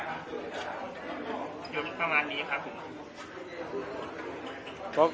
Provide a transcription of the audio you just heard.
เกี่ยวกับประมาณนี้ครับผม